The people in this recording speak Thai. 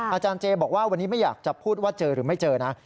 อาจารย์เจบอกว่าวันนี้ไม่อยากจะพูดว่าเจอหรือไม่เจอนะ